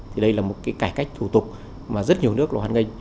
thì đây là một cái cải cách thủ tục mà rất nhiều nước là hoan nghênh